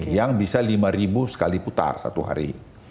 yang bisa lima ribu sekali putar satu hari